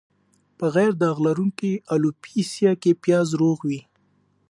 په غیر داغ لرونکې الوپیسیا کې پیاز روغ وي.